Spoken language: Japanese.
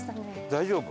大丈夫？